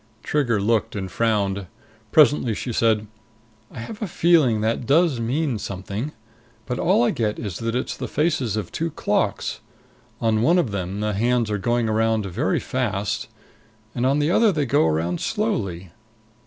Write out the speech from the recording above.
Trigger looked and frowned. Presently she said, "I have a feeling that does mean something. But all I get is that it's the faces of two clocks. On one of them the hands are going around very fast. And on the other they go around slowly."